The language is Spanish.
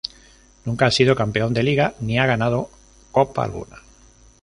Nunca ha sido campeón de Liga ni ha ganado Copa alguna.